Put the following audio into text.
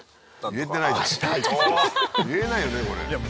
言えないよねこれ。